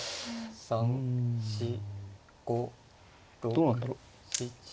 どうなんだろう。